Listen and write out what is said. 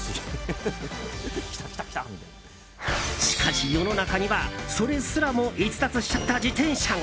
しかし世の中には、それすらも逸脱しちゃった自転車が。